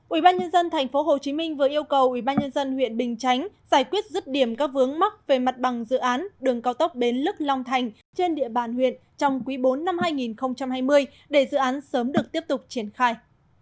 ubnd tp hcm vừa yêu cầu ubnd huyện bình chánh giải quyết rứt điểm các vướng mắc về mặt bằng dự án đường cao tốc bến lức long thành trên địa bàn huyện trong quý bốn năm hai nghìn hai mươi để dự án sớm được tiếp tục triển khai